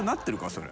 それ。